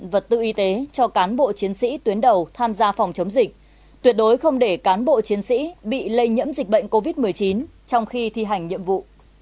vật tư y tế cho cán bộ chiến sĩ tuyến đầu tham gia phòng chống dịch tuyệt đối không để cán bộ chiến sĩ bị lây nhiễm dịch bệnh covid một mươi chín trong khi thi hành nhiệm vụ